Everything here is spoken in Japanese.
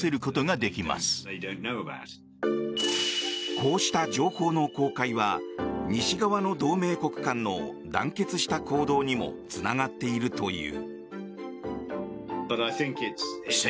こうした情報の公開は西側の同盟国間の団結した行動にもつながっているという。